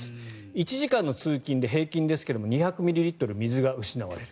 １時間の通勤で平均ですが２００ミリリットル水が失われる。